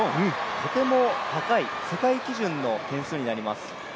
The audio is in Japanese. とても高い、世界基準の点数になります。